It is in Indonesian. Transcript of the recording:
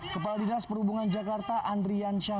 kepala dinas perhubungan jakarta andrian syah